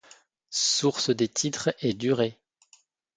Source des titres et durées.